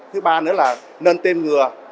thứ ba nữa là nên tiêm ngừa